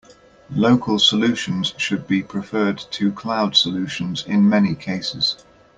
Local solutions should be preferred to cloud solutions in many cases.